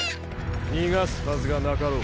逃がすはずがなかろう。